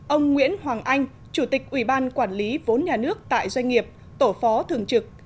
ông nguyễn hoàng anh chủ tịch ủy ban quản lý vốn nhà nước tại doanh nghiệp tổ phó thường trực